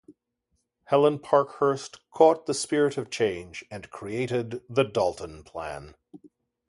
Helen Parkhurst caught the spirit of change and created the Dalton Plan.